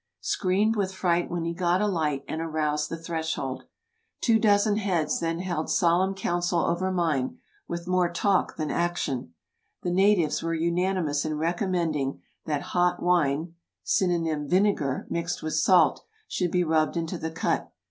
screamed with fright when he got a light, and aroused the household. Two dozen heads then held solemn council over mine, with more talk than action. The natives were unanimous in recommending that hot wine (syn. vinegar), mixed with salt, should be rubbed into the cut.